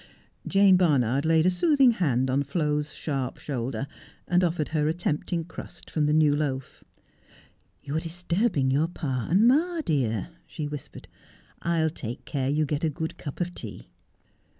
Jane Barnard laid a soothing hand on Flo's sharp shoulder, and offered her a tempting crust from the new loaf. 'You're disturbing your pa and ma, dear,' she whispered. ' I'll take care you get a good cup of tea.'